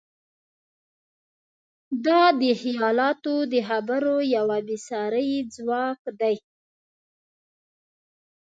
دا د خیالاتو د خبرو یو بېساری ځواک دی.